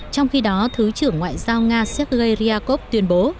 trong khi đó thứ trưởng ngoại giao nga sergei ryakov tuyên bố